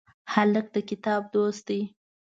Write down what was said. هلک د کتاب دوست دی.